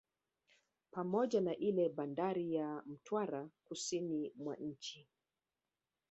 Pamoja na ile bandari ya Mtwara kusini mwa nchi